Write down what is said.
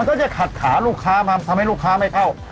ก็จะขัดขาลูกค้ามาทำให้ลูกค้าไม่เข้า